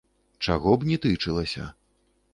Чаго б ні тычылася.